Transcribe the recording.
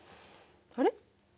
あれ？